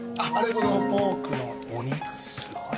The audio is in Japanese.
・ポークのお肉すごい。